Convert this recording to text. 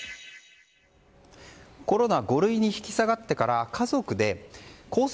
コロナ５類に引き下がってから家族でコース